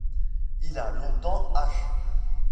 Il a longtemps h